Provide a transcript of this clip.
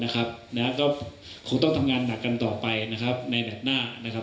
ก็คงต้องทำงานหนักกันต่อไปนะครับในดัดหน้านะครับ